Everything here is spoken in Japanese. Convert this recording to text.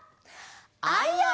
「アイアイ」！